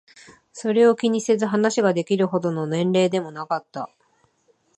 それを気にせず話ができるほどの年齢でもなかった。